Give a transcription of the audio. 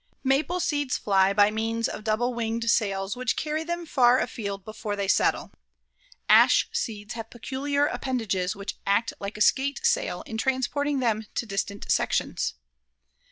Maple seeds fly by means of double winged sails which carry them far afield before they settle. Ash seeds have peculiar appendages which act like a skate sail in transporting them to distant sections.